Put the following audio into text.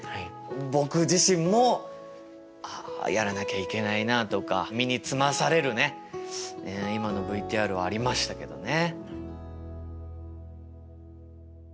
僕自身も「あやらなきゃいけないな」とか身につまされるね今のＶＴＲはありましたけどね。